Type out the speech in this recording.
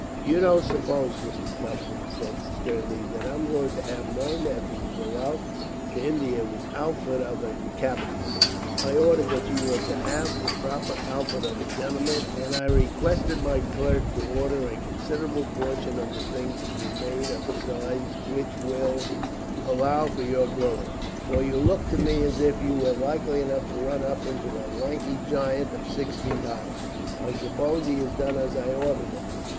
"You don't suppose," Mr. Tufton said sternly, "that I'm going to have my nephew go out to India with the outfit of a cabin boy. I ordered that you were to have the proper outfit of a gentleman, and I requested my clerk to order a considerable portion of the things to be made of a size which will allow for your growing, for you look to me as if you were likely enough to run up into a lanky giant, of six feet high. I suppose he has done as I ordered him.